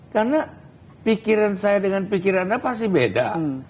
karena pikiran saya dengan pikiran anda pasti beda